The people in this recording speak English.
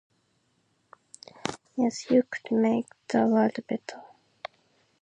Yes, you could make the world better.